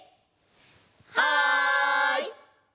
はい！